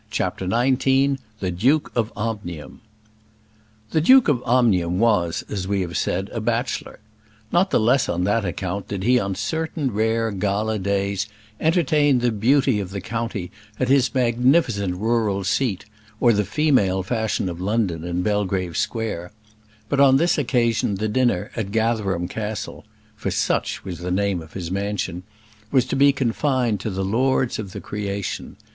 CHAPTER XIX The Duke of Omnium The Duke of Omnium was, as we have said, a bachelor. Not the less on that account did he on certain rare gala days entertain the beauty of the county at his magnificent rural seat, or the female fashion of London in Belgrave Square; but on this occasion the dinner at Gatherum Castle for such was the name of his mansion was to be confined to the lords of the creation.